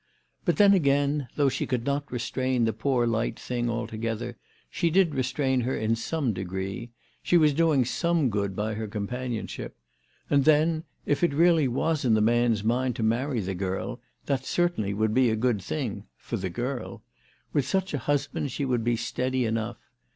But then again, though she could not restrain the poor light thing altogether, she did restrain her in some degree. She was doing some good by her companionship. And then, if it really was in the man's mind to marry the girl, that certainly would be a good thing, for the girl. With such a husband she would be steady enough.